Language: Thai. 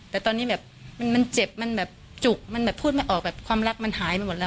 แต่ตอนนี้แบบมันเจ็บมันแบบจุกมันแบบพูดไม่ออกแบบความรักมันหายไปหมดแล้ว